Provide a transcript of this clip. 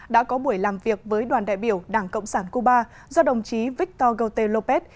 đã có buổi làm việc với đoàn đại biểu đảng cộng sản cuba do đồng chí victor gautel lopez